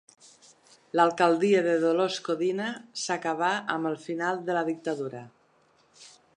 L’alcaldia de Dolors Codina s’acabà amb el final de la dictadura.